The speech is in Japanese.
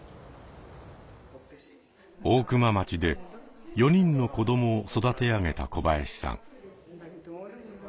大熊町で４人の子どもを育て上げた小林さん。